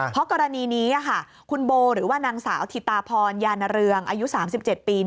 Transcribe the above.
เพราะกรณีนี้คุณโบหรือว่านางสาวธิตาพรยานเรืองอายุ๓๗ปี